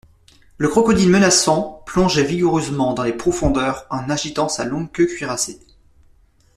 Le crocodile menaçant plongeait vigoureusement dans les profondeurs en agitant sa longue queue cuirassée.